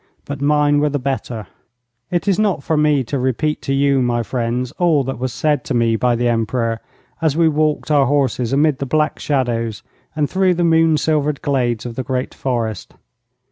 But mine were the better.' It is not for me to repeat to you, my friends, all that was said to me by the Emperor as we walked our horses amid the black shadows and through the moon silvered glades of the great forest.